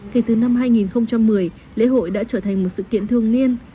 kể từ năm hai nghìn một mươi lễ hội đã trở thành một sự kiện thường niên